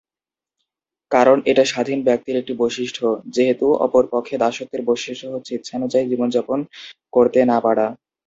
কারণ এটা স্বাধীন ব্যক্তির একটি বৈশিষ্ট্য, যেহেতু, অপর পক্ষে দাসত্বের বৈশিষ্ট্য হচ্ছে ইচ্ছানুযায়ী জীবন যাপন করতে না পারা।